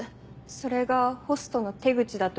それがホストの手口だというのは。